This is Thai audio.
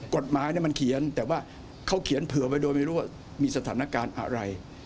กฎหมายมันเขียนแต่ว่าเขาเขียนเผื่อไว้โดยไม่รู้ว่ามีสถานการณ์อะไร